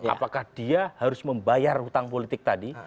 apakah dia harus membayar hutang politik tadi